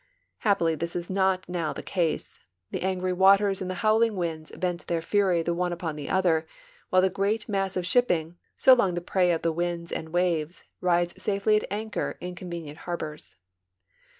Happily this is not now the case ; the angry waters and the howling winds vent their fur^^ the one upon the other, while the great mass of shipping, so long the pre}^ of the winds and waves, rides safely at anchor in convenient harbors.